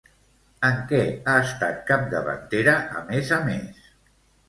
En què ha estat capdavantera, a més a més?